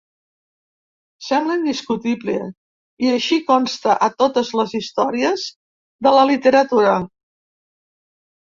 Sembla indiscutible i així consta a totes les històries de la literatura.